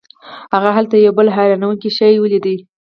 هلته هغه یو بل حیرانوونکی شی ولید.